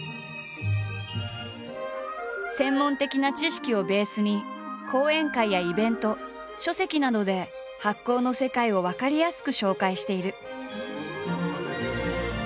専門的な知識をベースに講演会やイベント書籍などで発酵の世界を分かりやすく紹介している。